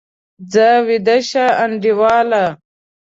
ځه، ویده شه انډیواله!